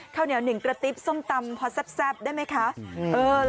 ข้าวเหนียวหนึ่งประติภส้มตำพอซับซับได้ไหมคะอืมเออ